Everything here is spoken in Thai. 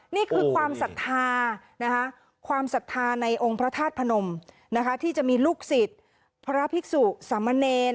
นี่คือความสัทธาในองค์พระธาตุพระนมนะคะที่จะมีลูกศิษย์พระพิกษุสามเมน